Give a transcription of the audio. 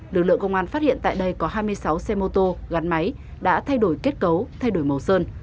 lực lượng công an phát hiện tại đây có hai mươi sáu xe mô tô gắn máy đã thay đổi kết cấu thay đổi màu sơn